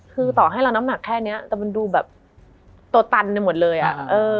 คือต่อให้เราน้ำหนักแค่เนี้ยแต่มันดูแบบตัวตันไปหมดเลยอ่ะเออ